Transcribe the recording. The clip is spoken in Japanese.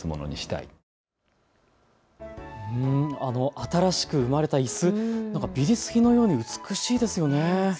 新しく生まれたいす、美術品のように美しいですよね。